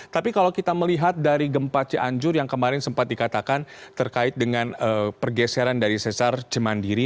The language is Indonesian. tapi kalau kita melihat dari gempa cianjur yang kemarin sempat dikatakan terkait dengan pergeseran dari sesar cemandiri